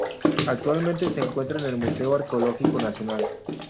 Actualmente se encuentra en el Museo Arqueológico Nacional.